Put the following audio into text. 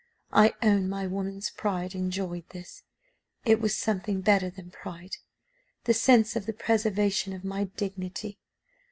I own my woman's pride enjoyed this; it was something better than pride the sense of the preservation of my dignity.